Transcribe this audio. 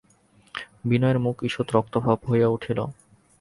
বিনয়ের মুখ ঈষৎ রক্তাভ হইয়া উঠিল।